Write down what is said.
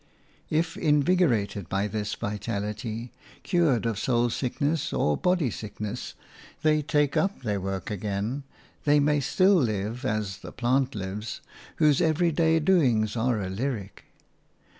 If, invigorated by this vitality, cured of soul sickness or body sickness, they take up their work again, they may still live as the plant lives, whose every day doings are a lyric.